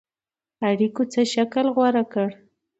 اړېکو څه شکل غوره کړ.